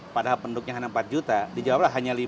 padahal penduduknya hanya empat juta di jawa hanya lima